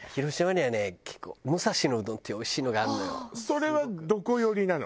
それはどこ寄りなの？